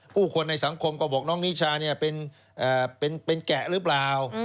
ผู้คนในสังคมก็บอกน้องนิชาเป็นแกะหรือเปล่า